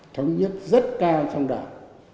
thống nhất rất cao trong đoàn